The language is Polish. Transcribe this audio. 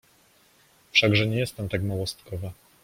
Wszakże nie jestem tak małostkowa!